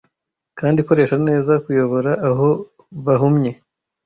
kandi koresha neza kuyobora aho bahumye